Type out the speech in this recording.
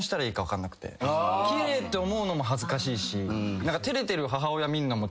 奇麗って思うのも恥ずかしいし。